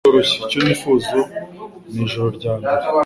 Nagize umunsi utoroshye, icyo nifuza ni ijoro ryambere.